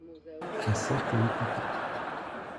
Un cercle l'écouta.